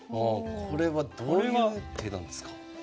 これはどういう手なんですか？